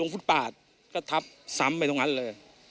ลงฟุดปาดก็ทับสัมไปตรงนั้นเลย